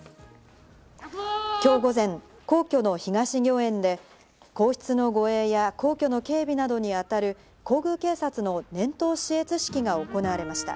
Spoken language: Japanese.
今日午前、皇居の東御苑で皇室の護衛や皇居の警備などに当たる皇宮警察の年頭視閲式が行われました。